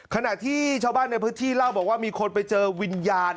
ขณะที่ชาวบ้านในพื้นที่เล่าบอกว่ามีคนไปเจอวิญญาณ